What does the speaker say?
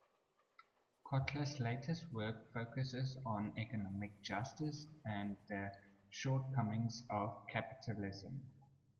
Kotler's latest work focuses on economic justice and the shortcomings of capitalism.